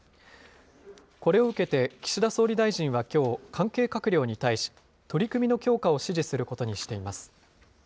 これを受けて、岸田総理大臣はきょう、関係閣僚に対し、取り組みの強化を指示することにしています。